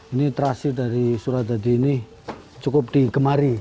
ini terasi dari suradadi ini cukup digemari